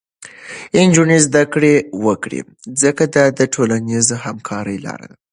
نجونې زده کړه وکړي، ځکه دا د ټولنیزې همکارۍ لاره ده.